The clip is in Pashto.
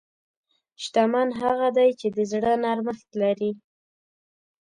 شتمن هغه دی چې د زړه نرمښت لري.